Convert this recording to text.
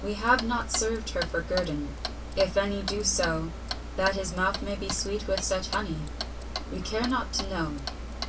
We have not served her for guerdon. If any do so, That his mouth may be sweet with such honey, we care not to know.